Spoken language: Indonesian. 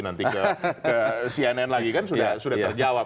nanti ke cnn lagi kan sudah terjawab